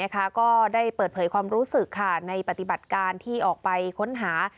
ก็ได้เปิดเผยความรู้สึกในปฏิบัติการที่ออกไปค้นหา